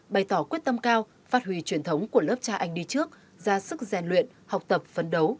bày tỏ quyết tâm cao phát huy truyền thống của lớp cha anh đi trước ra sức gian luyện học tập phấn đấu